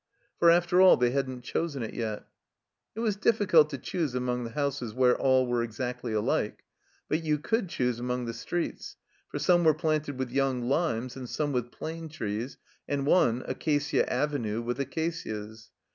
For after all they hadn't chosen it yet. It was difficult to choose among the houses where all were exactly alike; but you could choose among the streets, for some were planted with yoimg limes and some with plane trees, and one. Acacia Avenue, with acacias.